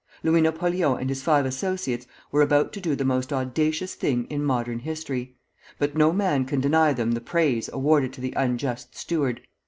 Louis Napoleon and his five associates were about to do the most audacious thing in modern history; but no man can deny them the praise awarded to the unjust steward.